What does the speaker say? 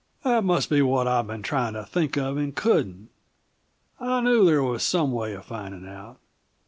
"That must be what I've been trying to think of and couldn't. I knew there was some way of finding out.